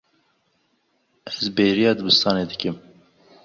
Ez bêriya dibistanê dikim.